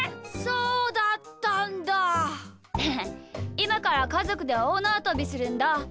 いまからかぞくでおおなわとびするんだ。